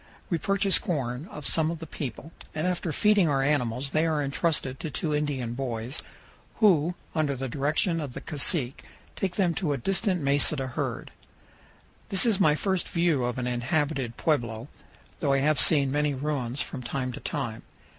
We purchase corn of some of the people, and after feeding our animals they are intrusted to two Indian boys, who, under the direction of the cacique, take them to a distant mesa to herd. This is my first view of an inhabited pueblo, though I have seen many ruins from time to time.